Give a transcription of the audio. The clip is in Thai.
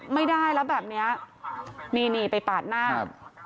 ไม่ได้แล้วแบบเนี้ยนี่ไปปาดหน้า